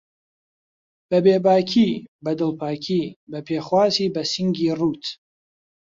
بەبێ باکی، بەدڵپاکی، بەپێخواسی بەسینگی ڕووت